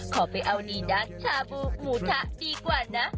ขอไปเอานี่ดั๊กชาบูหมูถะดีกว่านะคะ